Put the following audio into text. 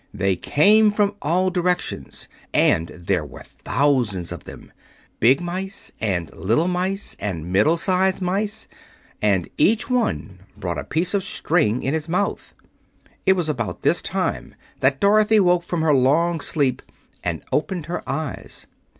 They came from all directions, and there were thousands of them: big mice and little mice and middle sized mice; and each one brought a piece of string in his mouth. It was about this time that Dorothy woke from her long sleep and opened her eyes.